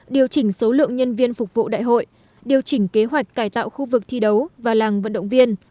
điều chỉnh số lượng nhân viên phục vụ đại hội điều chỉnh kế hoạch cải tạo khu vực thi đấu và làng vận động viên